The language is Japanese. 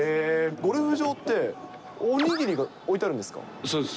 ゴルフ場っておにぎりが置いそうです。